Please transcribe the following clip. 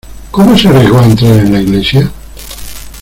¿ cómo se arriesgó a entrar en la iglesia?